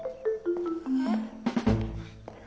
えっ？